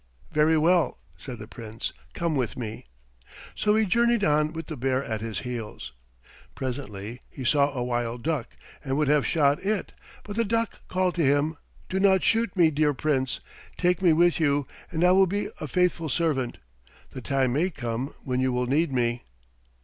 "Very well," said the Prince. "Come with me"; so he journeyed on with the bear at his heels. Presently he saw a wild duck and would have shot it, but the duck called to him, "Do not shoot me, dear Prince. Take me with you, and I will be a faithful servant. The time may come when you will need me."